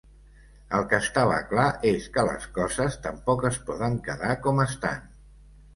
El que estava clar és que les coses tampoc es poden quedar com estan.